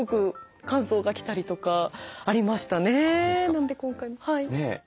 なんで今回もはい。